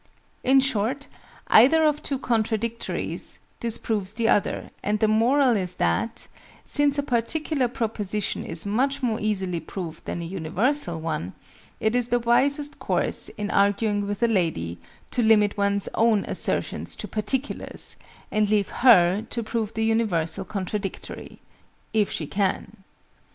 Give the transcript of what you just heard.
In short, either of two contradictories disproves the other: and the moral is that, since a particular proposition is much more easily proved than a universal one, it is the wisest course, in arguing with a Lady, to limit one's own assertions to "particulars," and leave her to prove the "universal" contradictory, if she can.